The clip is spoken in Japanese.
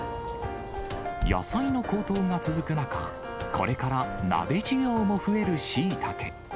野菜の高騰が続く中、これから鍋需要も増えるしいたけ。